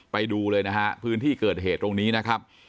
ไปดูเลยนะฮะพื้นที่เกิดเหตุตรงนี้นะครับ